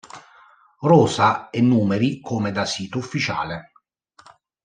Rosa e numeri come da sito ufficiale.